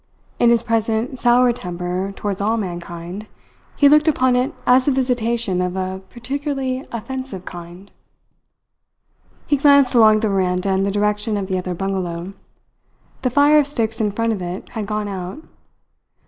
In his present soured temper towards all mankind he looked upon it as a visitation of a particularly offensive kind. He glanced along the veranda in the direction of the other bungalow. The fire of sticks in front of it had gone out.